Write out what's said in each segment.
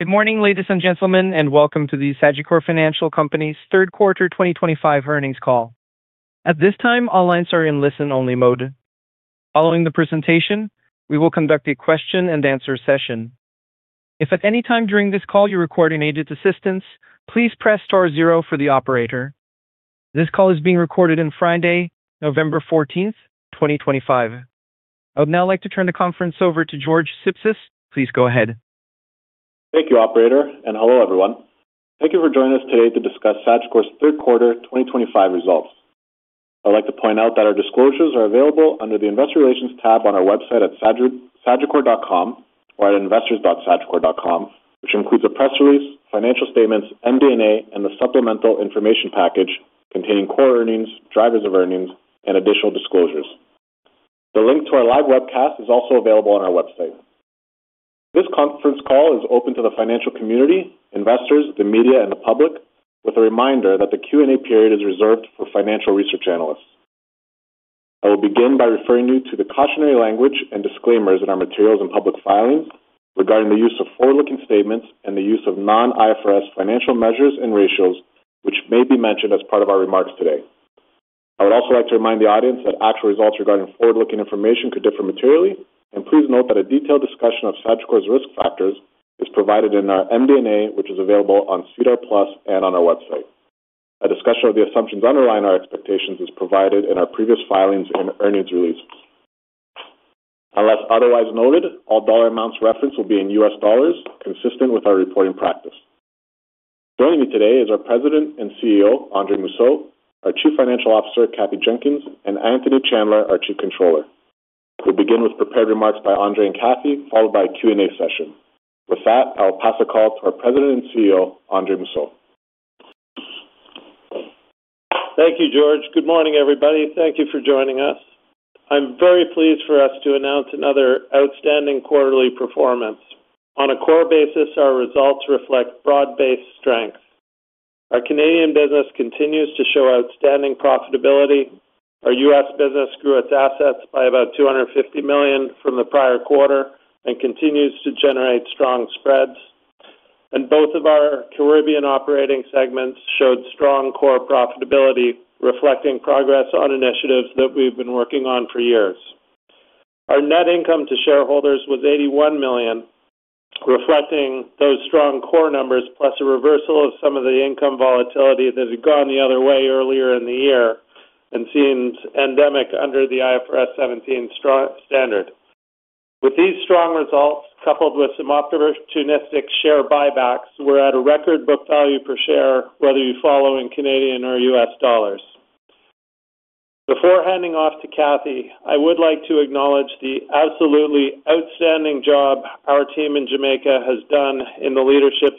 Good morning, ladies and gentlemen, and welcome to the Sagicor Financial Company's third quarter 2025 earnings call. At this time, all lines are in listen-only mode. Following the presentation, we will conduct a question-and-answer session. If at any time during this call you require any assistance, please press star zero for the operator. This call is being recorded on Friday, November 14th, 2025. I would now like to turn the conference over to George Sipsis. Please go ahead. Thank you, Operator, and hello everyone. Thank you for joining us today to discuss Sagicor's third quarter 2025 results. I'd like to point out that our disclosures are available under the Investor Relations tab on our website at sagicor.com or at investors.sagicor.com, which includes a press release, financial statements, MD&A, and the supplemental information package containing core earnings, drivers of earnings, and additional disclosures. The link to our live webcast is also available on our website. This conference call is open to the financial community, investors, the media, and the public, with a reminder that the Q&A period is reserved for financial research analysts. I will begin by referring you to the cautionary language and disclaimers in our materials and public filings regarding the use of forward-looking statements and the use of non-IFRS financial measures and ratios, which may be mentioned as part of our remarks today. I would also like to remind the audience that actual results regarding forward-looking information could differ materially, and please note that a detailed discussion of Sagicor's risk factors is provided in our MD&A, which is available on SEDAR+ and on our website. A discussion of the assumptions underlying our expectations is provided in our previous filings and earnings releases. Unless otherwise noted, all dollar amounts referenced will be in U.S. dollars, consistent with our reporting practice. Joining me today is our President and CEO, Andre Mousseau, our Chief Financial Officer, Kathy Jenkins, and Anthony Chandler, our Chief Controller. We'll begin with prepared remarks by Andre and Kathy, followed by a Q&A session. With that, I will pass the call to our President and CEO, Andre Mousseau. Thank you, George. Good morning, everybody. Thank you for joining us. I'm very pleased for us to announce another outstanding quarterly performance. On a core basis, our results reflect broad-based strengths. Our Canadian business continues to show outstanding profitability. Our U.S. business grew its assets by about $250 million from the prior quarter and continues to generate strong spreads. Both of our Caribbean operating segments showed strong core profitability, reflecting progress on initiatives that we've been working on for years. Our net income to shareholders was $81 million, reflecting those strong core numbers plus a reversal of some of the income volatility that had gone the other way earlier in the year and seemed endemic under the IFRS 17 standard. With these strong results, coupled with some opportunistic share buybacks, we're at a record book value per share, whether you follow in Canadian or U.S. dollars. Before handing off to Kathy, I would like to acknowledge the absolutely outstanding job our team in Jamaica has done in the leadership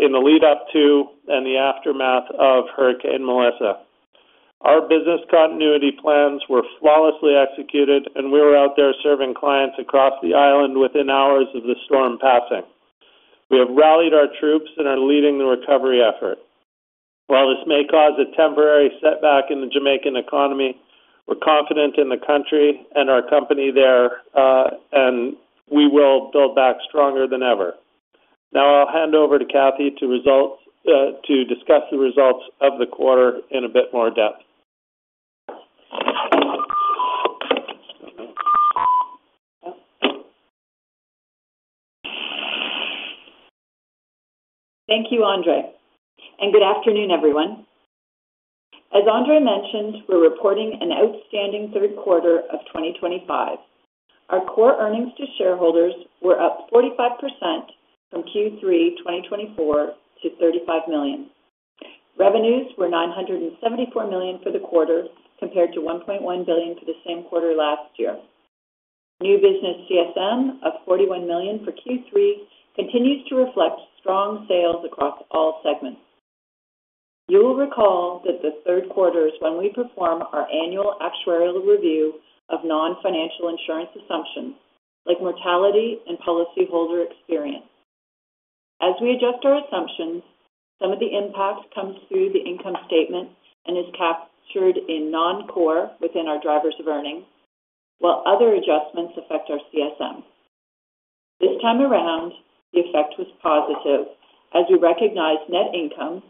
in the lead-up to and the aftermath of Hurricane Melissa. Our business continuity plans were flawless ly executed, and we were out there serving clients across the island within hours of the storm passing. We have rallied our troops and are leading the recovery effort. While this may cause a temporary setback in the Jamaican economy, we're confident in the country and our company there, and we will build back stronger than ever. Now I'll hand over to Kathy to discuss the results of the quarter in a bit more depth. Thank you, Andre. Good afternoon, everyone. As Andre mentioned, we're reporting an outstanding third quarter of 2025. Our core earnings to shareholders were up 45% from Q3 2024 to $35 million. Revenues were $974 million for the quarter, compared to $1.1 billion for the same quarter last year. New business CSM of $41 million for Q3 continues to reflect strong sales across all segments. You will recall that the third quarter is when we perform our annual actuarial review of non-financial insurance assumptions like mortality and policyholder experience. As we adjust our assumptions, some of the impact comes through the income statement and is captured in non-core within our drivers of earning, while other adjustments affect our CSM. This time around, the effect was positive as we recognized net income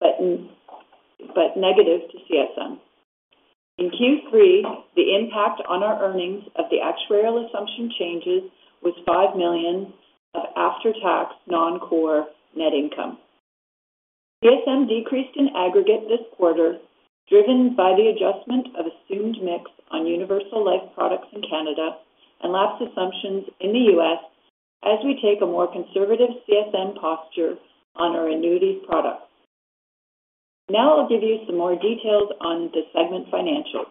but negative to CSM. In Q3, the impact on our earnings of the actuarial assumption changes was $5 million of after-tax non-core net income. CSM decreased in aggregate this quarter, driven by the adjustment of assumed mix on universal life products in Canada and lapse assumptions in the U.S. as we take a more conservative CSM posture on our annuity products. Now I'll give you some more details on the segment financials.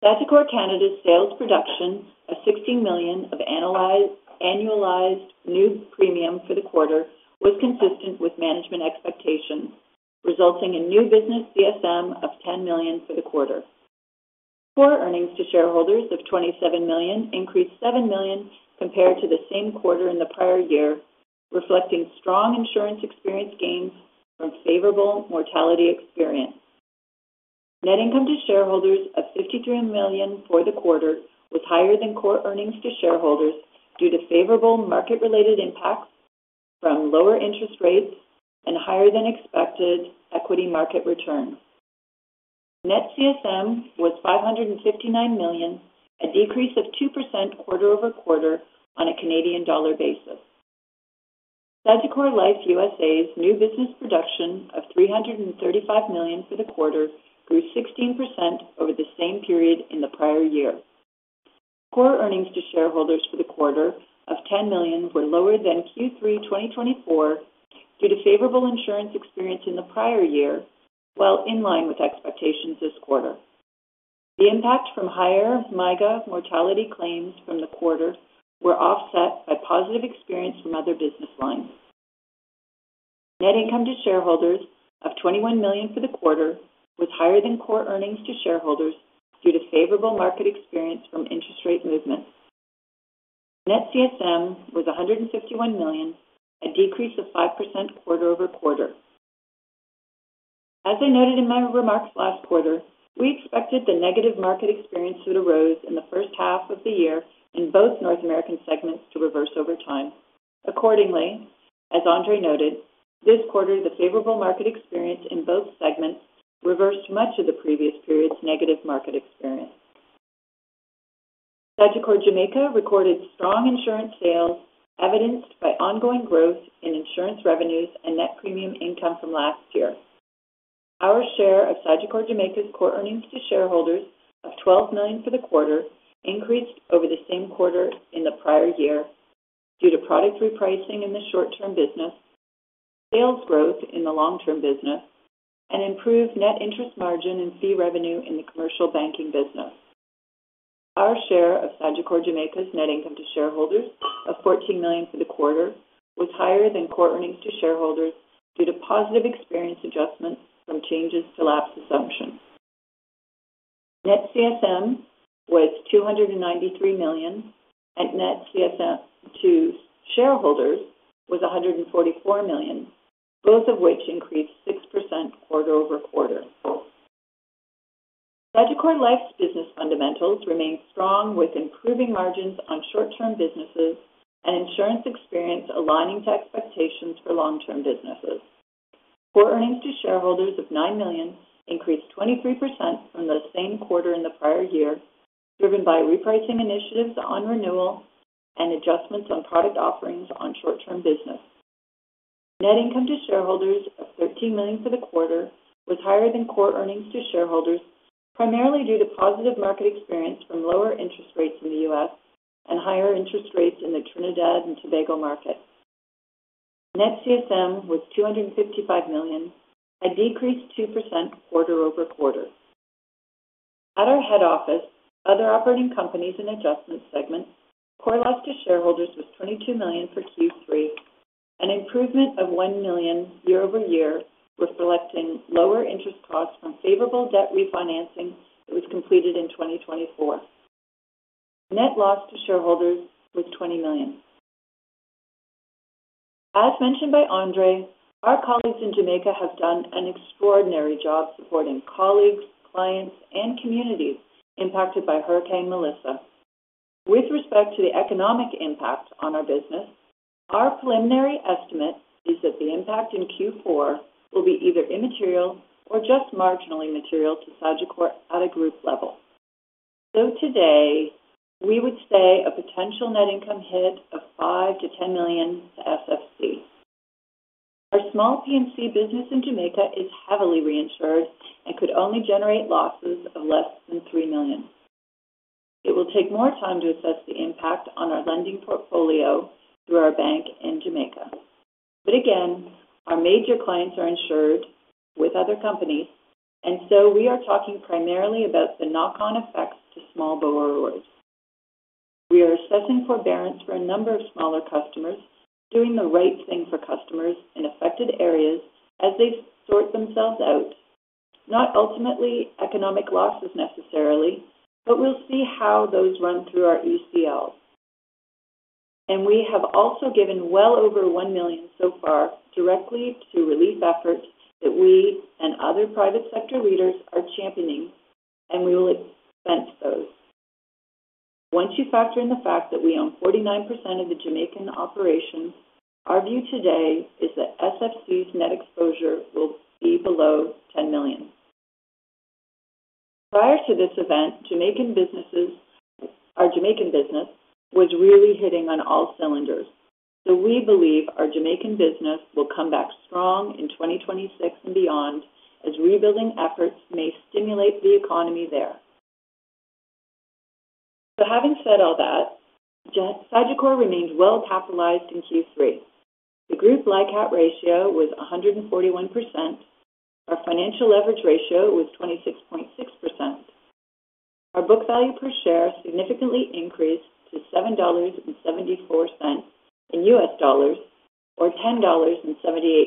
Sagicor Canada's sales production of $16 million of annualized new premium for the quarter was consistent with management expectations, resulting in new business CSM of $10 million for the quarter. Core earnings to shareholders of $27 million increased $7 million compared to the same quarter in the prior year, reflecting strong insurance experience gains from favorable mortality experience. Net income to shareholders of $53 million for the quarter was higher than core earnings to shareholders due to favorable market-related impacts from lower interest rates and higher-than-expected equity market returns. Net CSM was 559 million, a decrease of 2% quarter-over-quarter on a Canadian dollar basis. Sagicor Life USA's new business production of $335 million for the quarter grew 16% over the same period in the prior year. Core earnings to shareholders for the quarter of $10 million were lower than Q3 2024 due to favorable insurance experience in the prior year, while in line with expectations this quarter. The impact from higher MIGA mortality claims from the quarter was offset by positive experience from other business lines. Net income to shareholders of $21 million for the quarter was higher than core earnings to shareholders due to favorable market experience from interest rate movements. Net CSM was $151 million, a decrease of 5% quarter-over-quarter. As I noted in my remarks last quarter, we expected the negative market experience that arose in the first half of the year in both North American segments to reverse over time. Accordingly, as Andre noted, this quarter, the favorable market experience in both segments reversed much of the previous period's negative market experience. Sagicor Jamaica recorded strong insurance sales evidenced by ongoing growth in insurance revenues and net premium income from last year. Our share of Sagicor Jamaica's core earnings to shareholders of $12 million for the quarter increased over the same quarter in the prior year due to product repricing in the short-term business, sales growth in the long-term business, and improved net interest margin and fee revenue in the commercial banking business. Our share of Sagicor Jamaica's net income to shareholders of $14 million for the quarter was higher than core earnings to shareholders due to positive experience adjustments from changes to lapse assumption. Net CSM was $293 million, and net CSM to shareholders was $144 million, both of which increased 6% quarter-over-quarter. Sagicor Life's business fundamentals remained strong with improving margins on short-term businesses and insurance experience aligning to expectations for long-term businesses. Core earnings to shareholders of $9 million increased 23% from the same quarter in the prior year, driven by repricing initiatives on renewal and adjustments on product offerings on short-term business. Net income to shareholders of $13 million for the quarter was higher than core earnings to shareholders, primarily due to positive market experience from lower interest rates in the U.S. and higher interest rates in the Trinidad and Tobago market. Net CSM was $255 million, a decrease 2% quarter-over-quarter. At our head office, other operating companies and adjustment segments, core loss to shareholders was $22 million for Q3, an improvement of $1 million year over year reflecting lower interest costs from favorable debt refinancing that was completed in 2024. Net loss to shareholders was $20 million. As mentioned by Andre, our colleagues in Jamaica have done an extraordinary job supporting colleagues, clients, and communities impacted by Hurricane Melissa. With respect to the economic impact on our business, our preliminary estimate is that the impact in Q4 will be either immaterial or just marginally material to Sagicor at a group level. Today, we would say a potential net income hit of $5 million-$10 million to Sagicor Financial Company. Our small P&C business in Jamaica is heavily reinsured and could only generate losses of less than $3 million. It will take more time to assess the impact on our lending portfolio through our bank in Jamaica. Again, our major clients are insured with other companies, and so we are talking primarily about the knock-on effects to small borrowers. We are assessing forbearance for a number of smaller customers, doing the right thing for customers in affected areas as they sort themselves out. Not ultimately economic losses necessarily, but we will see how those run through our ECL. We have also given well over $1 million so far directly to relief efforts that we and other private sector leaders are championing, and we will expense those. Once you factor in the fact that we own 49% of the Jamaican operations, our view today is that SFC's net exposure will be below $10 million. Prior to this event, Jamaican business was really hitting on all cylinders. We believe our Jamaican business will come back strong in 2026 and beyond as rebuilding efforts may stimulate the economy there. Having said all that, Sagicor remained well capitalized in Q3. The group LICAT ratio was 141%. Our financial leverage ratio was 26.6%. Our book value per share significantly increased to $7.74 in U.S. dollars or CAD 10.78.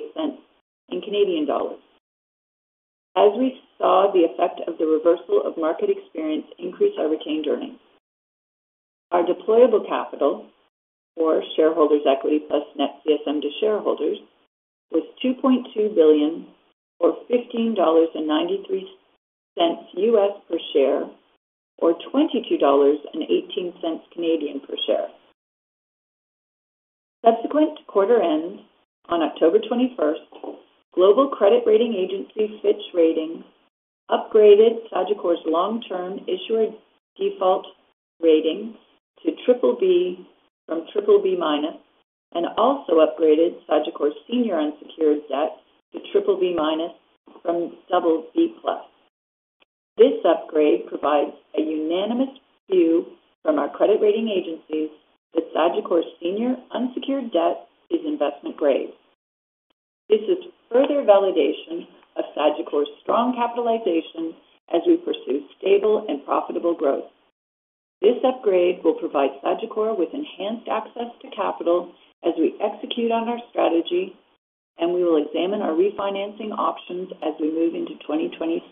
We saw the effect of the reversal of market experience increase our retained earnings. Our deployable capital, or shareholders' equity plus net CSM to shareholders, was $2.2 billion or $15.93 per share in U.S. dollars or 22.18 Canadian dollars per share. Subsequent to quarter end on October 21, global credit rating agency Fitch Ratings upgraded Sagicor's long-term issuer default rating to BBB from BBB- and also upgraded Sagicor's senior unsecured debt to BBB- from BB+. This upgrade provides a unanimous view from our credit rating agencies that Sagicor's senior unsecured debt is investment grade. This is further validation of Sagicor's strong capitalization as we pursue stable and profitable growth. This upgrade will provide Sagicor with enhanced access to capital as we execute on our strategy, and we will examine our refinancing options as we move into 2026.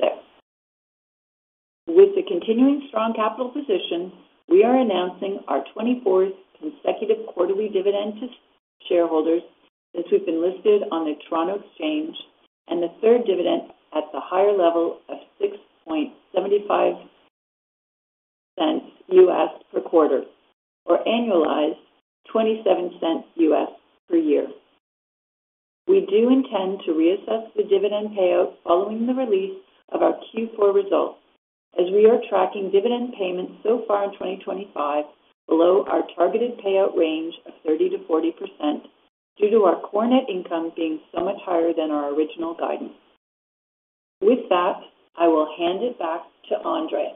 With the continuing strong capital position, we are announcing our 24th consecutive quarterly dividend to shareholders since we've been listed on the Toronto Exchange and the third dividend at the higher level of $0.0675 per quarter or annualized $0.27 per year. We do intend to reassess the dividend payout following the release of our Q4 results as we are tracking dividend payments so far in 2025 below our targeted payout range of 30%-40% due to our core net income being so much higher than our original guidance. With that, I will hand it back to Andre.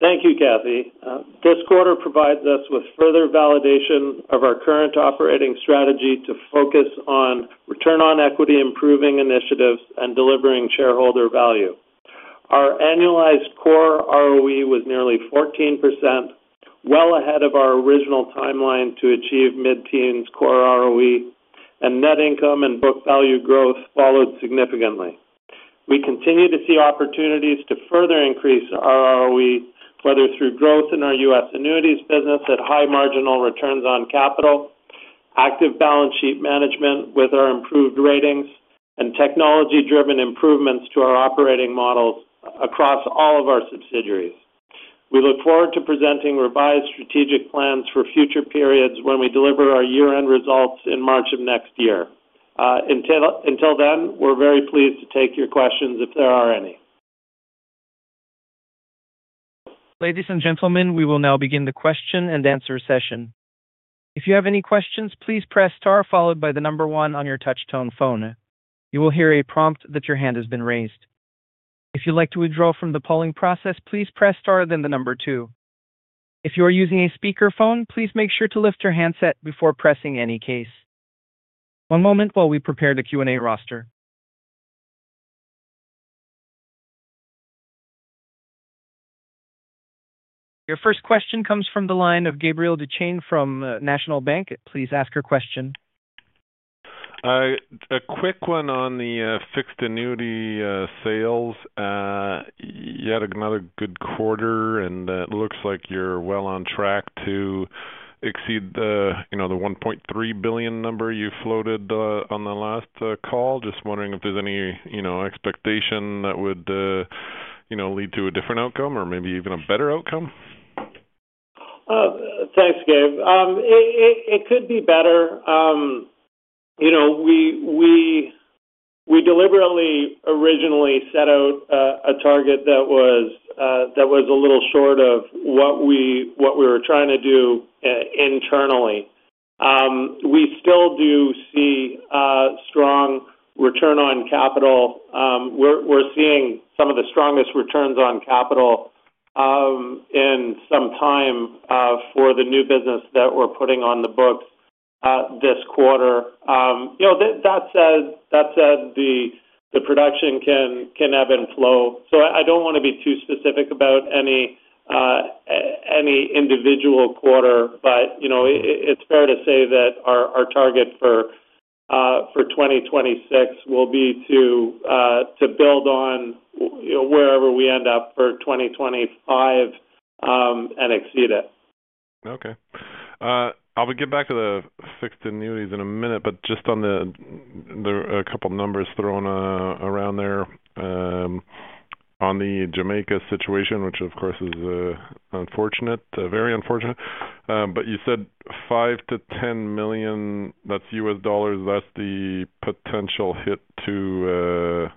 Thank you, Kathy. This quarter provides us with further validation of our current operating strategy to focus on return on equity improving initiatives and delivering shareholder value. Our annualized core ROE was nearly 14%, well ahead of our original timeline to achieve mid-teens core ROE, and net income and book value growth followed significantly. We continue to see opportunities to further increase our ROE, whether through growth in our U.S. annuities business at high marginal returns on capital, active balance sheet management with our improved ratings, and technology-driven improvements to our operating models across all of our subsidiaries. We look forward to presenting revised strategic plans for future periods when we deliver our year-end results in March of next year. Until then, we're very pleased to take your questions if there are any. Ladies and gentlemen, we will now begin the question and answer session. If you have any questions, please press star followed by the number one on your touch-tone phone. You will hear a prompt that your hand has been raised. If you'd like to withdraw from the polling process, please press star then the number two. If you are using a speakerphone, please make sure to lift your handset before pressing any keys. One moment while we prepare the Q&A roster. Your first question comes from the line of Gabriel Dechaine from National Bank. Please ask your question. A quick one on the fixed annuity sales. You had another good quarter, and it looks like you're well on track to exceed the $1.3 billion number you floated on the last call. Just wondering if there's any expectation that would lead to a different outcome or maybe even a better outcome. Thanks, Gabe. It could be better. We deliberately originally set out a target that was a little short of what we were trying to do internally. We still do see strong return on capital. We're seeing some of the strongest returns on capital in some time for the new business that we're putting on the books this quarter. That said, the production can ebb and flow. I don't want to be too specific about any individual quarter, but it's fair to say that our target for 2026 will be to build on wherever we end up for 2025 and exceed it. Okay. I'll get back to the fixed annuities in a minute, but just on the a couple of numbers thrown around there on the Jamaica situation, which of course is unfortunate, very unfortunate. You said $5 million-$10 million, that's U.S. dollars, that's the potential hit to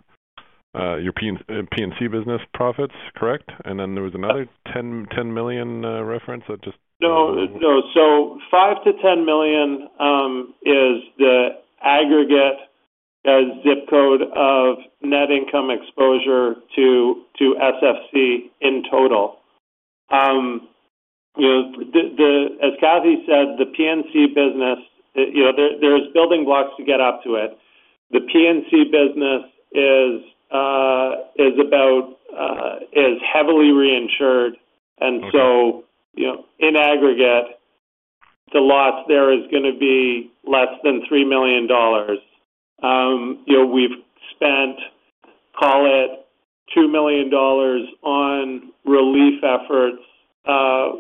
P&C business profits, correct? Then there was another $10 million reference that just. No, no. So $5 million-$10 million is the aggregate ZIP Code of net income exposure to SFC in total. As Kathy said, the P&C business, there are building blocks to get up to it. The P&C business is heavily reinsured, and so in aggregate, the loss there is going to be less than $3 million. We've spent, call it $2 million on relief efforts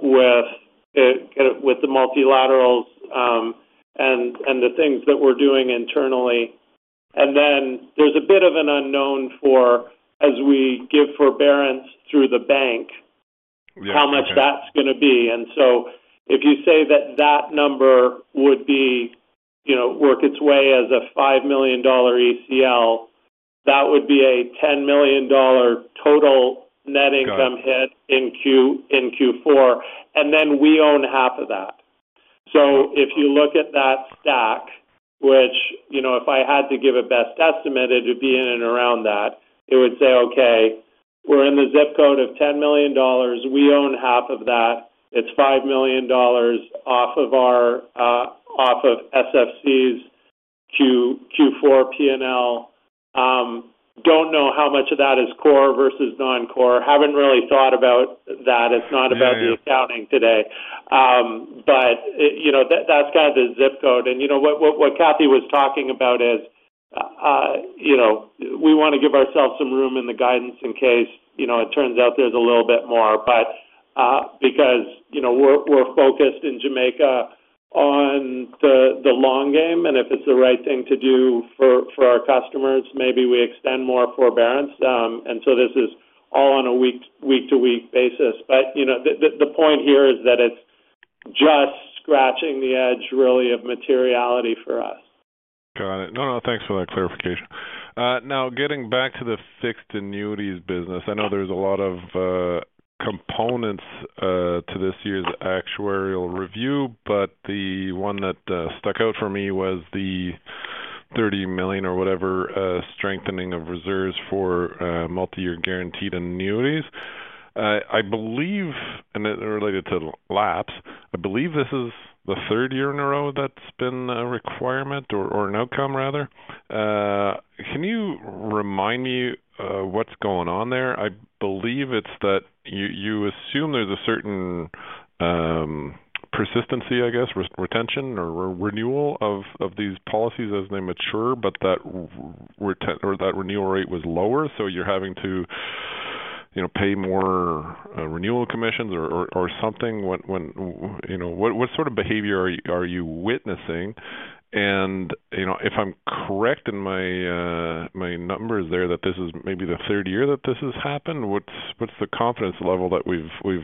with the multilaterals and the things that we're doing internally. There is a bit of an unknown for as we give forbearance through the bank, how much that's going to be. If you say that that number would work its way as a $5 million ECL, that would be a $10 million total net income hit in Q4, and we own half of that. If you look at that stack, which if I had to give a best estimate, it would be in and around that, it would say, okay, we're in the ZIP Code of $10 million, we own half of that, it's $5 million off of Sagicor Financial Company Ltd's Q4 P&L. Don't know how much of that is core versus non-core, haven't really thought about that. It's not about the accounting today. That's kind of the ZIP Code. What Kathy was talking about is we want to give ourselves some room in the guidance in case it turns out there's a little bit more, because we're focused in Jamaica on the long game, and if it's the right thing to do for our customers, maybe we extend more forbearance. This is all on a week-to-week basis. The point here is that it's just scratching the edge really of materiality for us. Got it. No, no, thanks for that clarification. Now, getting back to the fixed annuities business, I know there's a lot of components to this year's actuarial review, but the one that stuck out for me was the $30 million or whatever strengthening of reserves for multi-year guaranteed annuities. I believe, and related to lapses, I believe this is the third year in a row that's been a requirement or an outcome rather. Can you remind me what's going on there? I believe it's that you assume there's a certain persistency, I guess, retention or renewal of these policies as they mature, but that renewal rate was lower, so you're having to pay more renewal commissions or something. What sort of behavior are you witnessing? If I'm correct in my numbers there that this is maybe the third year that this has happened, what's the confidence level that we've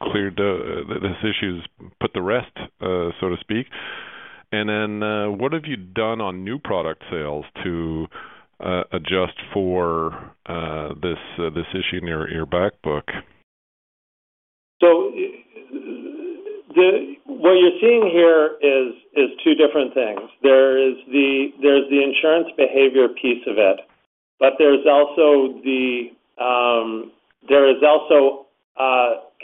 cleared this issue's put to rest, so to speak? What have you done on new product sales to adjust for this issue in your backbook? What you're seeing here is two different things. There is the insurance behavior piece of it, but there is also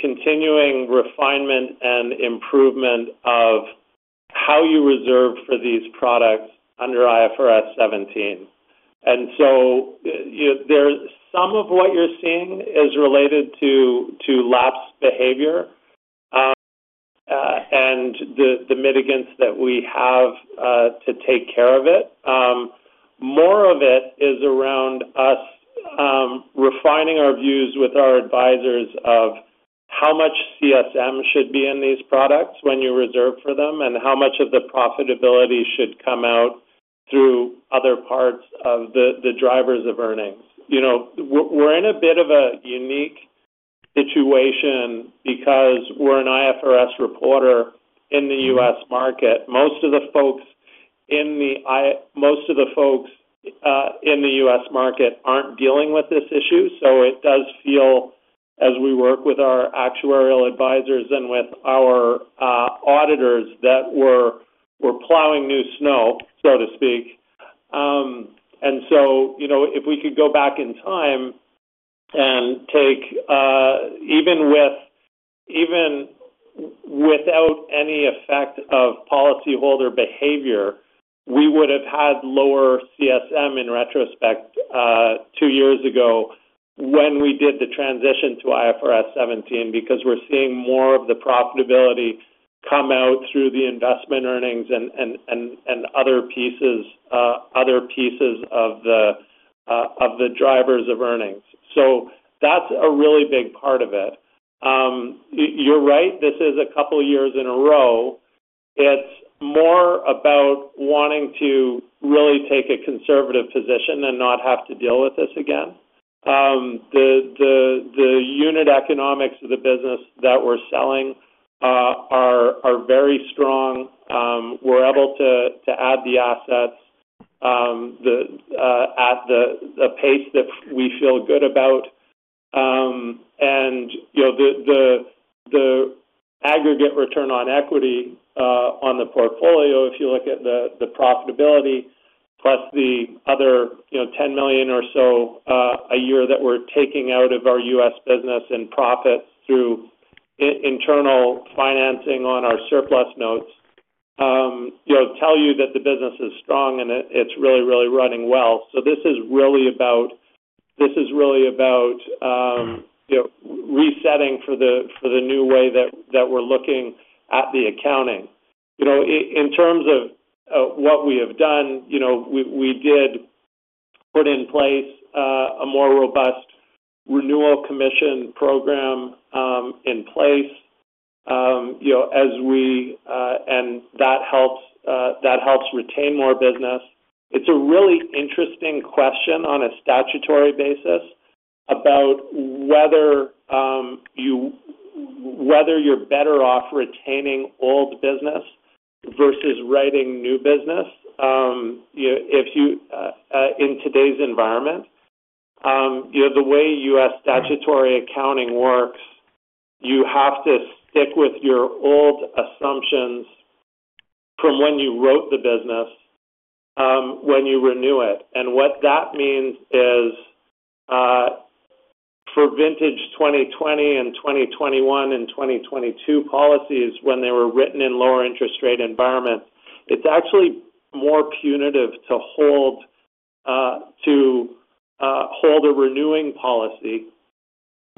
continuing refinement and improvement of how you reserve for these products under IFRS 17. Some of what you're seeing is related to lapse behavior and the mitigants that we have to take care of it. More of it is around us refining our views with our advisors of how much CSM should be in these products when you reserve for them and how much of the profitability should come out through other parts of the drivers of earnings. We're in a bit of a unique situation because we're an IFRS reporter in the U.S. market. Most of the folks in the U.S. market are not dealing with this issue, so it does feel, as we work with our actuarial advisors and with our auditors, that we are plowing new snow, so to speak. If we could go back in time and take even without any effect of policyholder behavior, we would have had lower CSM in retrospect two years ago when we did the transition to IFRS 17 because we are seeing more of the profitability come out through the investment earnings and other pieces of the drivers of earnings. That is a really big part of it. You are right, this is a couple of years in a row. It is more about wanting to really take a conservative position and not have to deal with this again. The unit economics of the business that we are selling are very strong. We are able to add the assets at the pace that we feel good about. The aggregate return on equity on the portfolio, if you look at the profitability plus the other $10 million or so a year that we're taking out of our U.S. business and profits through internal financing on our surplus notes, tell you that the business is strong and it's really, really running well. This is really about resetting for the new way that we're looking at the accounting. In terms of what we have done, we did put in place a more robust renewal commission program in place as we and that helps retain more business. It's a really interesting question on a statutory basis about whether you're better off retaining old business versus writing new business in today's environment. The way U.S. statutory accounting works, you have to stick with your old assumptions from when you wrote the business when you renew it. What that means is for vintage 2020 and 2021 and 2022 policies, when they were written in lower interest rate environments, it is actually more punitive to hold a renewing policy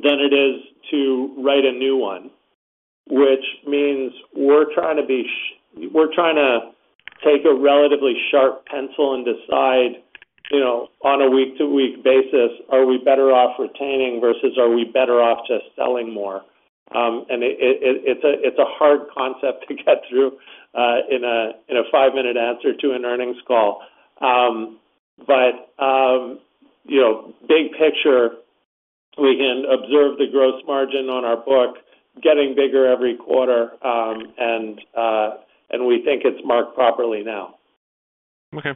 than it is to write a new one, which means we are trying to be, we are trying to take a relatively sharp pencil and decide on a week-to-week basis, are we better off retaining versus are we better off just selling more? It is a hard concept to get through in a five-minute answer to an earnings call. Big picture, we can observe the gross margin on our book getting bigger every quarter, and we think it is marked properly now. Okay.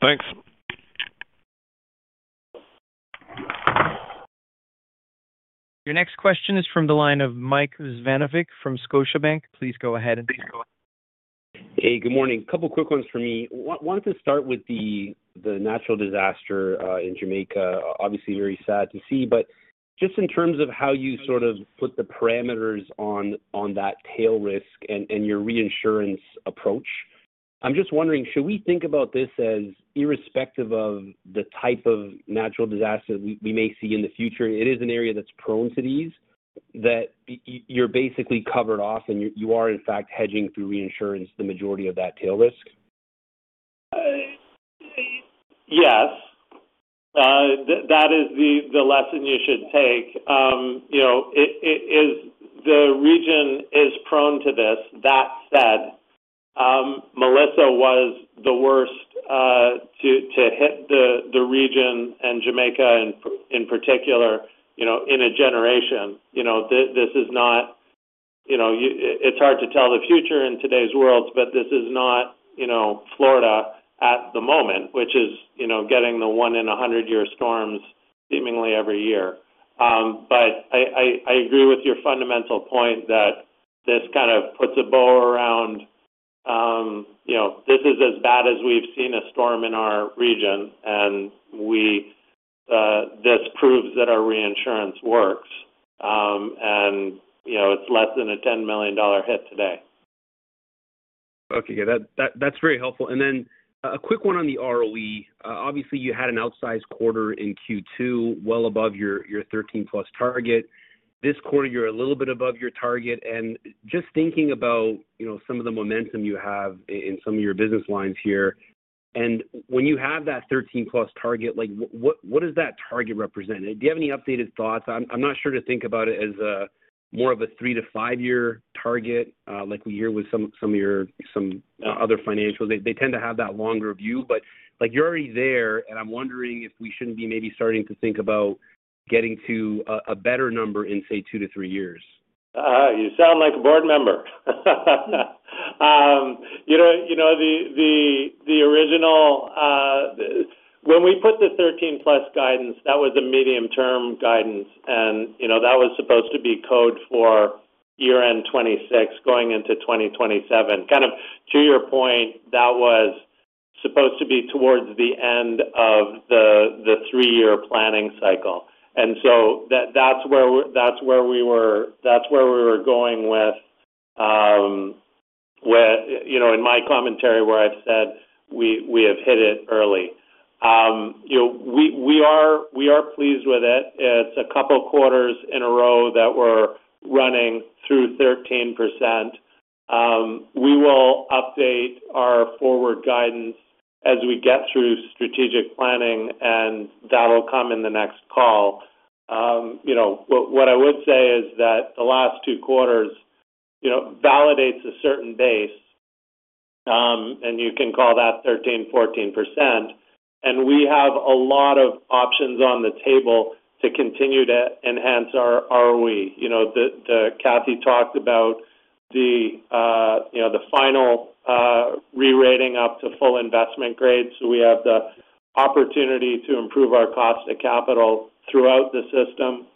Thanks. Your next question is from the line of Mike Rizvanovic from Scotiabank. Please go ahead. Hey, good morning. A couple of quick ones for me. I wanted to start with the natural disaster in Jamaica. Obviously, very sad to see, but just in terms of how you sort of put the parameters on that tail risk and your reinsurance approach, I'm just wondering, should we think about this as irrespective of the type of natural disaster we may see in the future? It is an area that's prone to these that you're basically covered off, and you are, in fact, hedging through reinsurance the majority of that tail risk. Yes. That is the lesson you should take. The region is prone to this. That said, Melissa was the worst to hit the region and Jamaica in particular in a generation. It is hard to tell the future in today's world, but this is not Florida at the moment, which is getting the one in a hundred-year storms seemingly every year. I agree with your fundamental point that this kind of puts a bow around this is as bad as we've seen a storm in our region, and this proves that our reinsurance works, and it's less than a $10 million hit today. Okay. Yeah, that's very helpful. Then a quick one on the ROE. Obviously, you had an outsized quarter in Q2, well above your 13%+ target. This quarter, you're a little bit above your target. Just thinking about some of the momentum you have in some of your business lines here, and when you have that 13%+ target, what does that target represent? Do you have any updated thoughts? I'm not sure to think about it as more of a three-to-five-year target like we hear with some of your other financials. They tend to have that longer view, but you're already there, and I'm wondering if we shouldn't be maybe starting to think about getting to a better number in, say, two to three years. You sound like a board member. The original, when we put the 13%+ guidance, that was a medium-term guidance, and that was supposed to be code for year-end 2026 going into 2027. Kind of to your point, that was supposed to be towards the end of the three-year planning cycle. That is where we were going with in my commentary where I have said we have hit it early. We are pleased with it. It is a couple of quarters in a row that we are running through 13%. We will update our forward guidance as we get through strategic planning, and that will come in the next call. What I would say is that the last two quarters validates a certain base, and you can call that 13%-14%. We have a lot of options on the table to continue to enhance our ROE. Kathy talked about the final re-rating up to full investment grade. We have the opportunity to improve our cost of capital throughout the system.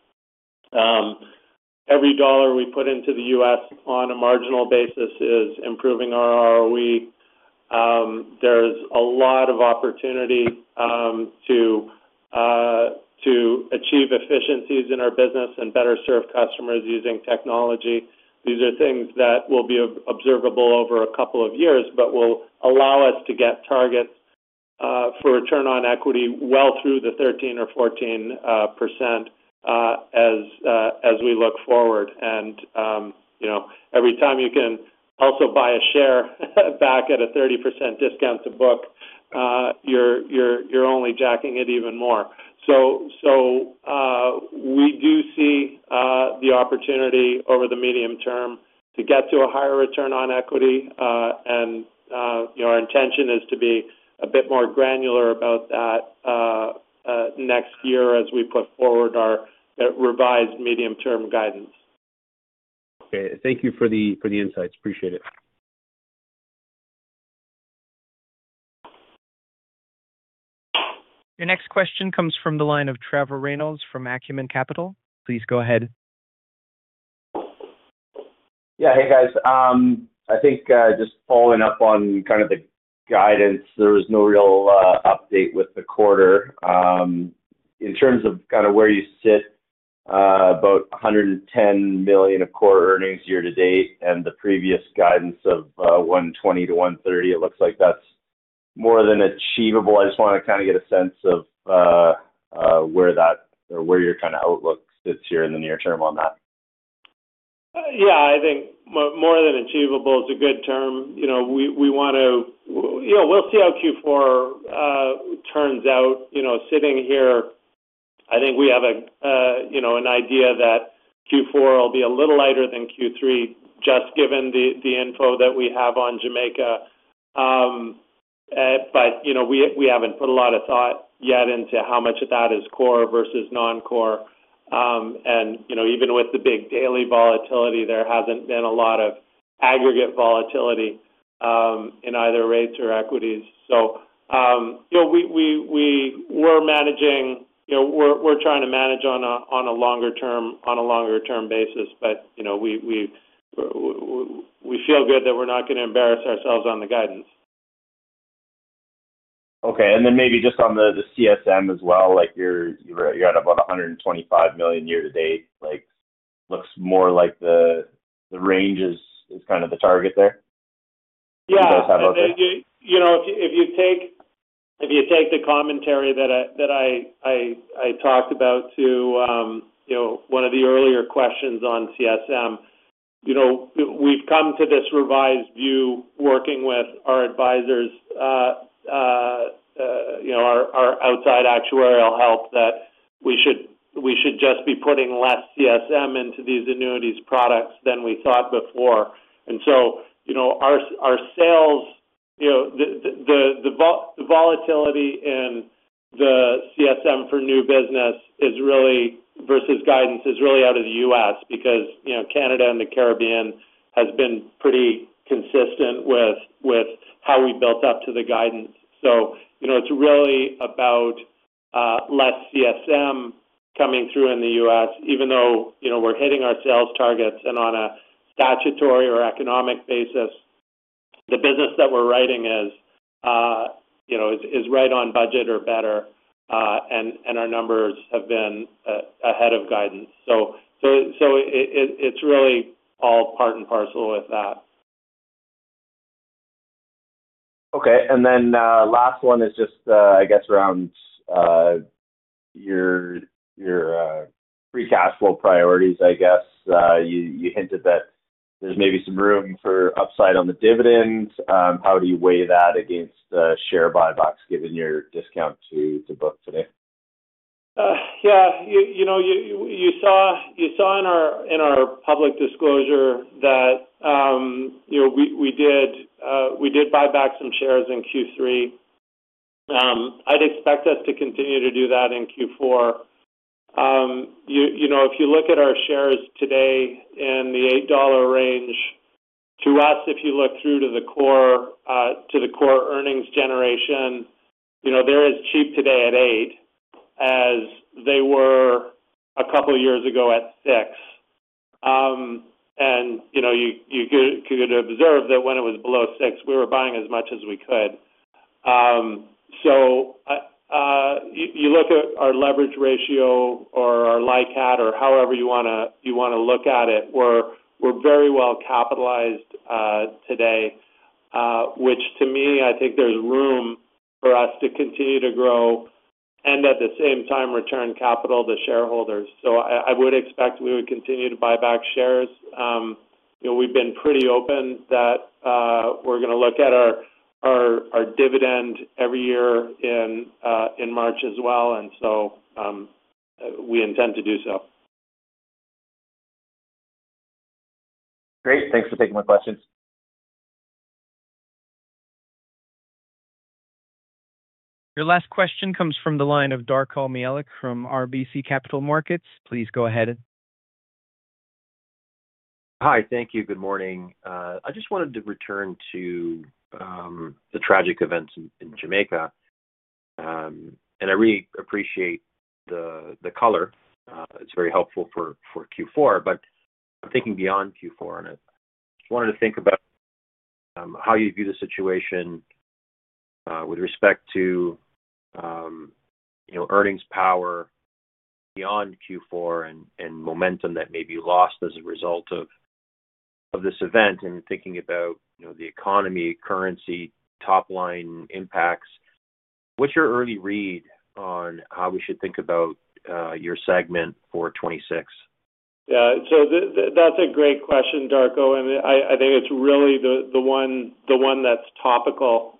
Every dollar we put into the U.S. on a marginal basis is improving our ROE. There is a lot of opportunity to achieve efficiencies in our business and better serve customers using technology. These are things that will be observable over a couple of years, but will allow us to get targets for return on equity well through the 13% or 14% as we look forward. Every time you can also buy a share back at a 30% discount to book, you are only jacking it even more. We do see the opportunity over the medium term to get to a higher return on equity, and our intention is to be a bit more granular about that next year as we put forward our revised medium-term guidance. Okay. Thank you for the insights. Appreciate it. Your next question comes from the line of Trevor Reynolds from Acumen Capital. Please go ahead. Yeah. Hey, guys. I think just following up on kind of the guidance, there was no real update with the quarter. In terms of kind of where you sit, about $110 million of core earnings year to date and the previous guidance of $120 million-$130 million, it looks like that's more than achievable. I just want to kind of get a sense of where that or where your kind of outlook sits here in the near term on that. Yeah. I think more than achievable is a good term. We want to, we'll see how Q4 turns out. Sitting here, I think we have an idea that Q4 will be a little lighter than Q3 just given the info that we have on Jamaica. We haven't put a lot of thought yet into how much of that is core versus non-core. Even with the big daily volatility, there hasn't been a lot of aggregate volatility in either rates or equities. We were managing, we're trying to manage on a longer-term basis, but we feel good that we're not going to embarrass ourselves on the guidance. Okay. And then maybe just on the CSM as well, you're at about $125 million year to date. Looks more like the range is kind of the target there. Yeah. If you take the commentary that I talked about to one of the earlier questions on CSM, we've come to this revised view working with our advisors, our outside actuarial help, that we should just be putting less CSM into these annuities products than we thought before. Our sales, the volatility in the CSM for new business versus guidance is really out of the U.S. because Canada and the Caribbean has been pretty consistent with how we built up to the guidance. It is really about less CSM coming through in the U.S., even though we're hitting our sales targets and on a statutory or economic basis, the business that we're writing is right on budget or better, and our numbers have been ahead of guidance. It is really all part and parcel with that. Okay. And then last one is just, I guess, around your pre-cash flow priorities, I guess. You hinted that there's maybe some room for upside on the dividends. How do you weigh that against the share buybacks given your discount to book today? Yeah. You saw in our public disclosure that we did buy back some shares in Q3. I'd expect us to continue to do that in Q4. If you look at our shares today in the $8 range, to us, if you look through to the core earnings generation, they're as cheap today at $8 as they were a couple of years ago at $6. You could observe that when it was below $6, we were buying as much as we could. You look at our leverage ratio or our LICAT or however you want to look at it, we're very well capitalized today, which to me, I think there's room for us to continue to grow and at the same time return capital to shareholders. I would expect we would continue to buy back shares. We've been pretty open that we're going to look at our dividend every year in March as well, and so we intend to do so. Great. Thanks for taking my questions. Your last question comes from the line of Darko Mihelic from RBC Capital Markets. Please go ahead. Hi. Thank you. Good morning. I just wanted to return to the tragic events in Jamaica. I really appreciate the color. It's very helpful for Q4, but I'm thinking beyond Q4 on it. I just wanted to think about how you view the situation with respect to earnings power beyond Q4 and momentum that may be lost as a result of this event and thinking about the economy, currency, top-line impacts. What's your early read on how we should think about your segment for 2026? Yeah. That's a great question, Darko, and I think it's really the one that's topical.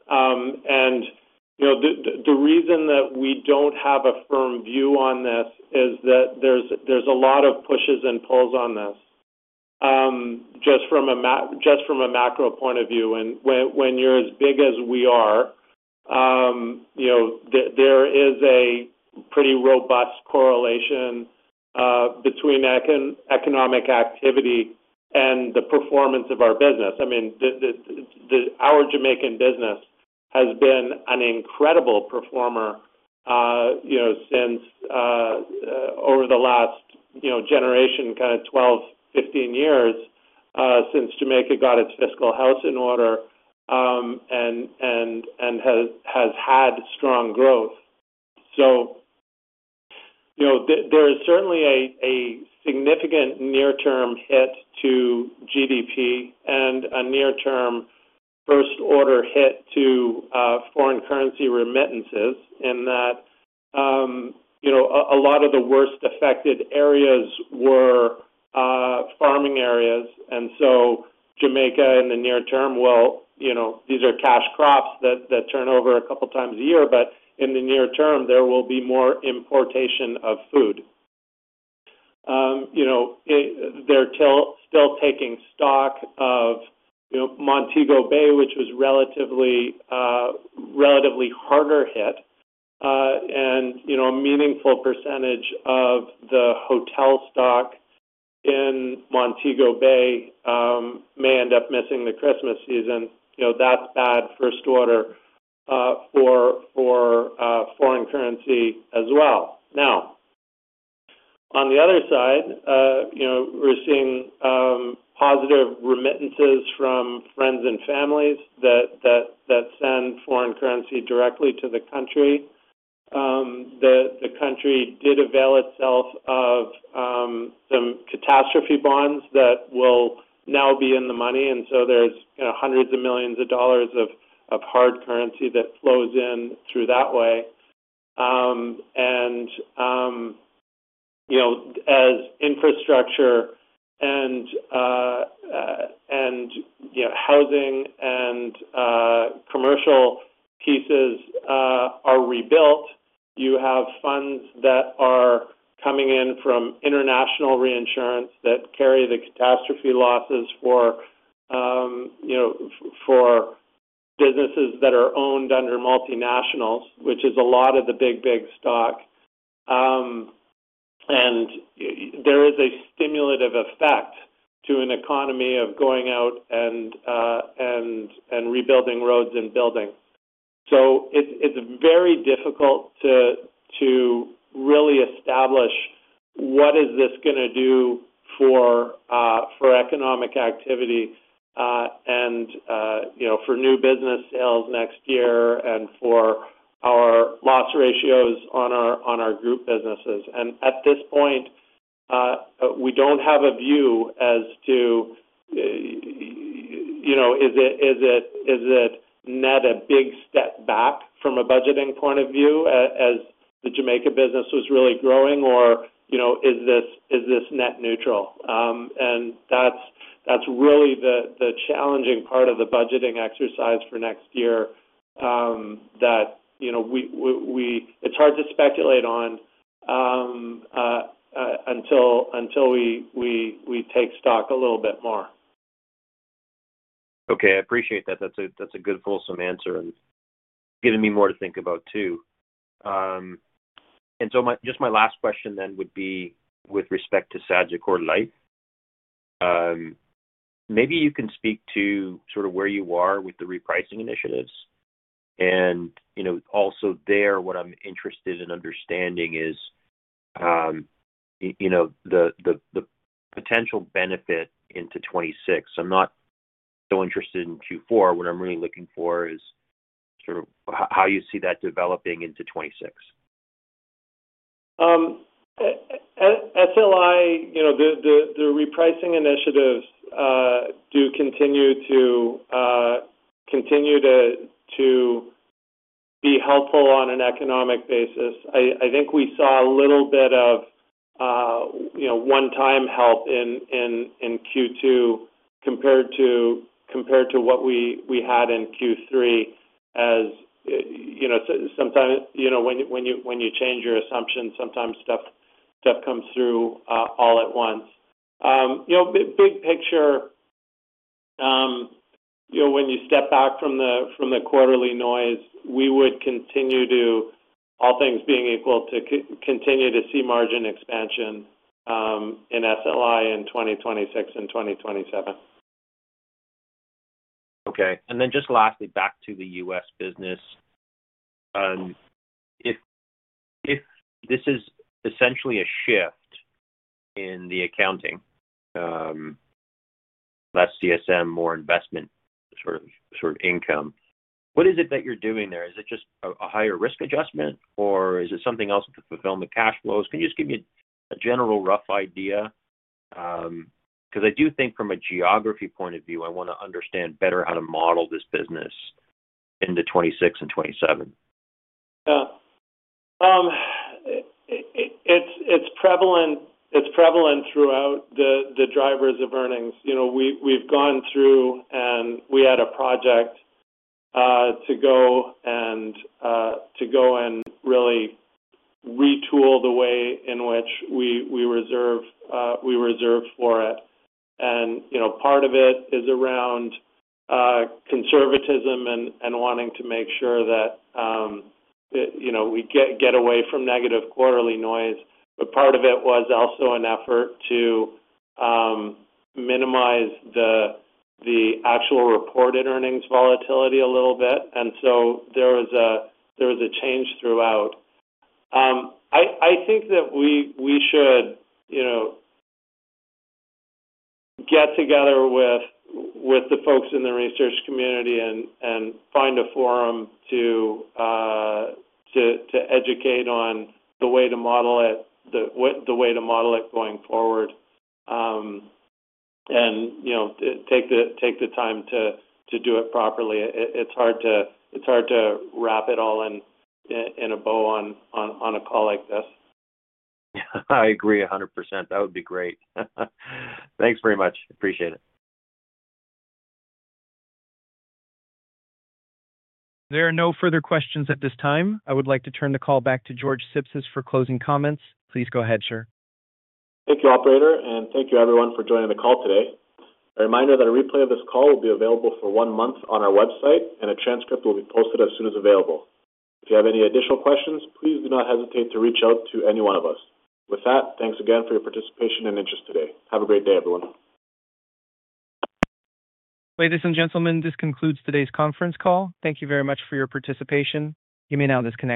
The reason that we don't have a firm view on this is that there's a lot of pushes and pulls on this just from a macro point of view. When you're as big as we are, there is a pretty robust correlation between economic activity and the performance of our business. I mean, our Jamaican business has been an incredible performer over the last generation, kind of 12-15 years since Jamaica got its fiscal house in order and has had strong growth. There is certainly a significant near-term hit to GDP and a near-term first-order hit to foreign currency remittances in that a lot of the worst affected areas were farming areas. Jamaica in the near term, these are cash crops that turn over a couple of times a year, but in the near term, there will be more importation of food. They are still taking stock of Montego Bay, which was relatively harder hit, and a meaningful percentage of the hotel stock in Montego Bay may end up missing the Christmas season. That is bad first-order for foreign currency as well. Now, on the other side, we are seeing positive remittances from friends and families that send foreign currency directly to the country. The country did avail itself of some catastrophe bonds that will now be in the money, and so there is hundreds of millions of dollars of hard currency that flows in through that way. As infrastructure and housing and commercial pieces are rebuilt, you have funds that are coming in from international reinsurance that carry the catastrophe losses for businesses that are owned under multinationals, which is a lot of the big, big stock. There is a stimulative effect to an economy of going out and rebuilding roads and buildings. It is very difficult to really establish what this is going to do for economic activity and for new business sales next year and for our loss ratios on our group businesses. At this point, we do not have a view as to is it net a big step back from a budgeting point of view as the Jamaica business was really growing, or is this net neutral? That's really the challenging part of the budgeting exercise for next year that it's hard to speculate on until we take stock a little bit more. Okay. I appreciate that. That is a good fulsome answer and giving me more to think about too. Just my last question then would be with respect to Sagicor Life. Maybe you can speak to sort of where you are with the repricing initiatives. Also there, what I am interested in understanding is the potential benefit into 2026. I am not so interested in Q4. What I am really looking for is sort of how you see that developing into 2026. Until the repricing initiatives do continue to be helpful on an economic basis, I think we saw a little bit of one-time help in Q2 compared to what we had in Q3 as sometimes when you change your assumptions, sometimes stuff comes through all at once. Big picture, when you step back from the quarterly noise, we would continue to, all things being equal, continue to see margin expansion in SLI in 2026 and 2027. Okay. And then just lastly, back to the U.S. business. If this is essentially a shift in the accounting, less CSM, more investment sort of income, what is it that you're doing there? Is it just a higher risk adjustment, or is it something else to fulfill the cash flows? Can you just give me a general rough idea? Because I do think from a geography point of view, I want to understand better how to model this business into 2026 and 2027. Yeah. It's prevalent throughout the drivers of earnings. We've gone through and we had a project to go and really retool the way in which we reserve for it. Part of it is around conservatism and wanting to make sure that we get away from negative quarterly noise. Part of it was also an effort to minimize the actual reported earnings volatility a little bit. There was a change throughout. I think that we should get together with the folks in the research community and find a forum to educate on the way to model it, the way to model it going forward, and take the time to do it properly. It's hard to wrap it all in a bow on a call like this. I agree 100%. That would be great. Thanks very much. Appreciate it. There are no further questions at this time. I would like to turn the call back to George Sipsis for closing comments. Please go ahead, sir. Thank you, operator, and thank you, everyone, for joining the call today. A reminder that a replay of this call will be available for one month on our website, and a transcript will be posted as soon as available. If you have any additional questions, please do not hesitate to reach out to any one of us. With that, thanks again for your participation and interest today. Have a great day, everyone. Ladies and gentlemen, this concludes today's conference call. Thank you very much for your participation. You may now disconnect.